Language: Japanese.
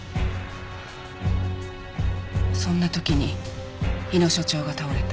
そんな時に日野所長が倒れた。